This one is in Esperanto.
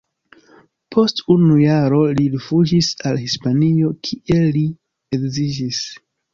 Post unu jaro li rifuĝis al Hispanio, kie li edziĝis.